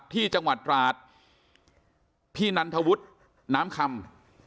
ที่จังหวัดราชพี่นันทวุฒิน้ำคำ